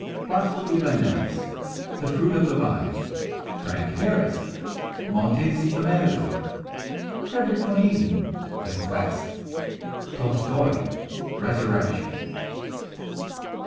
Blasco Ibanez: The Fruit of the Vine. Frank Harris: Montes the Matador. Frederik van Eeden: The Quest. Tolstoi: Resurrection.